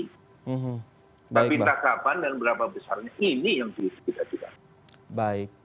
tapi tak kapan dan berapa besarnya ini yang kita cita cita